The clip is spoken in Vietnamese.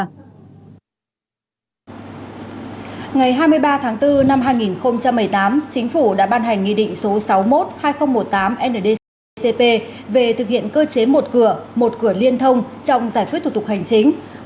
ngày hai mươi ba tháng bốn năm hai nghìn một mươi tám chính phủ đã ban hành nghị định số sáu mươi một hai nghìn một mươi tám ndcp về thực hiện cơ chế một cửa một cửa liên thông trong giải quyết thủ tục hành chính